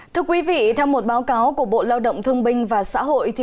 thưa quý vị theo một báo cáo của bộ lao động thương binh và xã hội